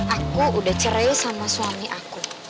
aku udah cerai sama suami aku